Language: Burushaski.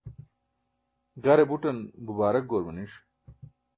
gare buṭan bubaarak goor maniṣ